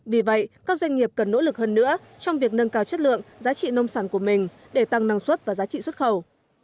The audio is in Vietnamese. vì vậy các doanh nghiệp cần nỗ lực hơn nữa trong việc nâng cao chất lượng giá trị nông sản của mình để tăng năng suất và giá trị xuất khẩu